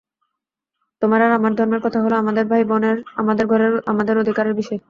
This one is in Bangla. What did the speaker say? তোমার আর আমার ধর্মের কথা হলো আমাদের ভাই-বোনের, আমাদের ঘরের আমাদের অধিকারের বিষয়।